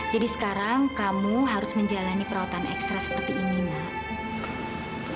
jadi sekarang kamu harus menjalani perawatan ekstra seperti ini nak